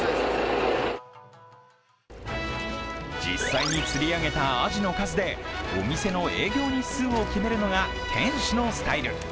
実際に釣り上げたアジの数でお店の営業日数を決めるのが店主のスタイル。